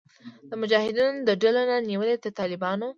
د مجاهدینو د ډلو نه نیولې تر طالبانو